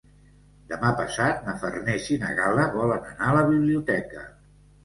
Demà passat na Farners i na Gal·la volen anar a la biblioteca.